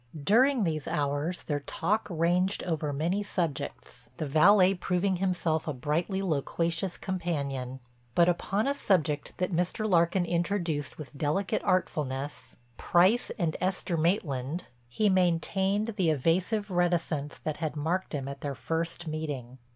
During these hours their talk ranged over many subjects, the valet proving himself a brightly loquacious companion. But upon a subject that Mr. Larkin introduced with delicate artfulness—Price and Esther Maitland—he maintained the evasive reticence that had marked him at their first meeting.